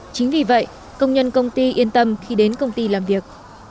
chính vì vậy công nhân công ty yên tâm khi đến công ty làm việc